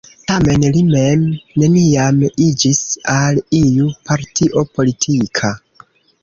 Tamen li mem neniam iĝis al iu partio politika.